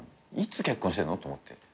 いつ結婚してんの？って思って。